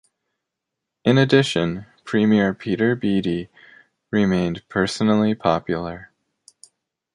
In addition, Premier Peter Beattie remained personally popular.